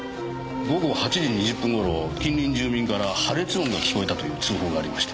午後８時２０分頃近隣住民から破裂音が聞こえたという通報がありまして。